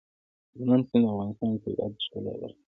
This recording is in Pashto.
هلمند سیند د افغانستان د طبیعت د ښکلا برخه ده.